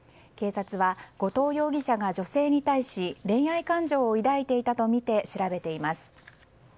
警察は後藤容疑者が女性に対し恋愛感情を抱いていたとみて調べています。